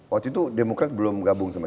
waktu itu demokrat belum gabung sama